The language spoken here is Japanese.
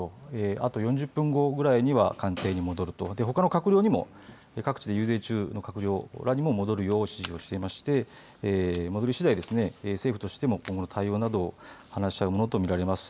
あと４０分後くらいには官邸に戻ると、ほかの閣僚にも、各地で遊説中の閣僚らにも戻るよう指示していまして戻りしだい政府としても今後の対応などを話し合うものとみられます。